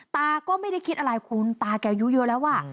ตาก็ไม่ได้คิดอะไรคุณตาแกอายุเยอะแล้วอ่ะ